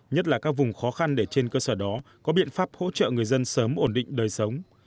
nhất là các vùng khó khăn để trên cơ sở đó có biện pháp hỗ trợ người dân sớm ổn định đời sống